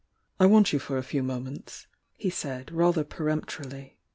"I want you or a few moments," he said, rather^peremptonly.